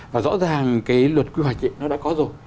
và rõ ràng cái luật quy hoạch ấy nó đã có rồi